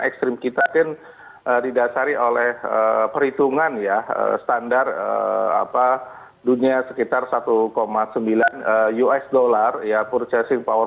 ekstrim kita kan didasari oleh perhitungan ya standar apa dunia sekitar satu sembilan usd ya purchasing power